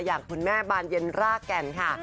อย่างคุณแม่บานเย็นรากแก่นค่ะ